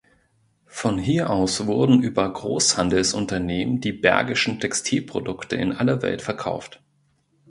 Von hier aus wurden über Großhandelsunternehmen die bergischen Textilprodukte in alle Welt verkauft.